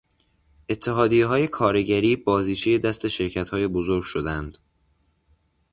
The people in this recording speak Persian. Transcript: اتحادیههای کارگری بازیچهی دست شرکتهای بزرگ شدند.